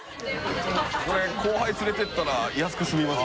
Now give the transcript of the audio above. これ後輩連れて行ったら安く済みます。